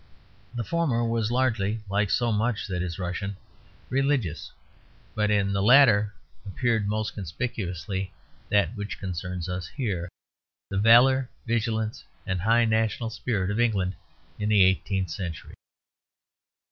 The former was largely, like so much that is Russian, religious; but in the latter appeared most conspicuously that which concerns us here, the valour, vigilance and high national spirit of England in the eighteenth century.